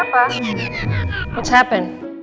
apa yang terjadi